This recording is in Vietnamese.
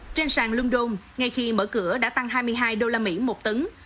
trên sàn london ngay khi mở cửa đã tăng hai mươi hai đô la mỹ một tấn